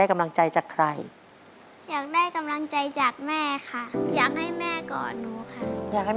อยากให้แม่กอดหนู